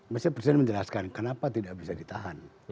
mesti presiden menjelaskan kenapa tidak bisa ditahan